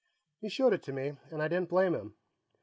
He showed it to me, and I didn't blame him.